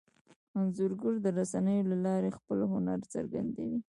انځورګر د رسنیو له لارې خپل هنر څرګندوي.